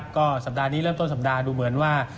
ก็สัปดาห์นี้เริ่มต้นสัปดาห์ดูเหมือนว่า